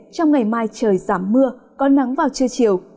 trong ngày mai trời giảm mưa có nắng vào trưa chiều